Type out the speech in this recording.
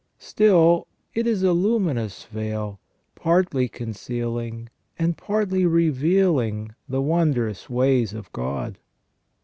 Still it is a luminous veil, partly concealing and partly revealing the wondrous ways of God.